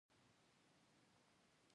د پاچا پیغام یې واړو، نرو او ښځو ته ورساوه.